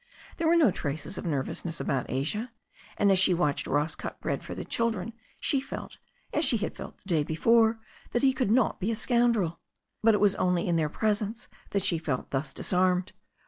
There were no traces of nervousness about Asia, and as she watched Ross cut bread for the children she felt, as she had felt the day before, that he could not be a scoundrel. But it was only in their presence that she felt thus disarmed.